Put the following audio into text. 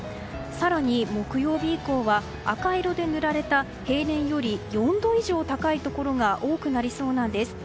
更に、木曜日以降は赤色で塗られた平年より４度以上高いところが多くなりそうなんです。